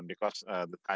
terima kasih pak oliver